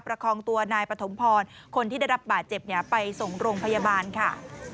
ประคองตัวนายปฐมพรคนที่ได้รับบาดเจ็บไปส่งโรงพยาบาลค่ะ